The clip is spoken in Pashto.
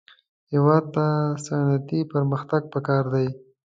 هېواد ته صنعتي پرمختګ پکار دی